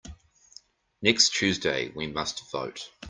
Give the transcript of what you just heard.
Next Tuesday we must vote.